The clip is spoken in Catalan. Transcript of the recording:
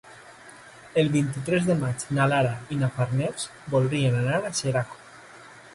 El vint-i-tres de maig na Lara i na Farners voldrien anar a Xeraco.